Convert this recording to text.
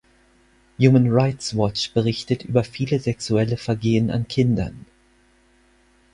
Human Rights Watch berichtet über viele sexuelle Vergehen an Kindern.